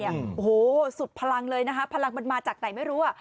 โอ้โหสุดพลังเลยนะคะพลังมันมาจากไหนไม่รู้อ่ะ